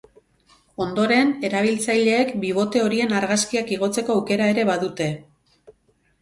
Ondoren, erabiltzaileek bibote horien argazkiak igotzeko aukera ere badute.